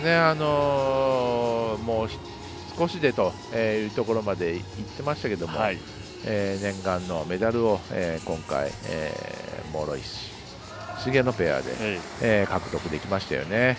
もう少しでというところまでいってましたけど念願のメダルを今回、諸石、菅野ペアで獲得できましたよね。